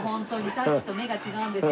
さっきと目が違うんですけど。